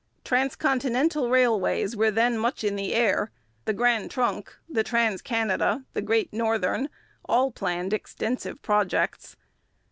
Transcontinental railways were then much in the air: the Grand Trunk, the Trans Canada, the Great Northern all planned extensive projects.